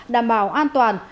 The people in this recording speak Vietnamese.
đảm bảo an toàn